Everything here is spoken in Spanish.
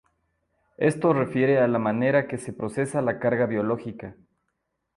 Esto refiere a la manera que se procesa la carga biológica.